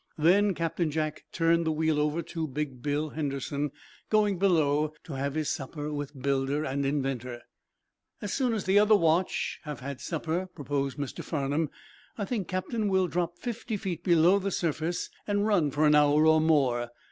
Then Captain Jack turned the wheel over to big Bill Henderson, going below to have his supper with builder and inventor. "As soon as the other watch have had supper," proposed Mr. Farnum, "I think, Captain, we'll drop fifty feet below the surface and run for an hour or more.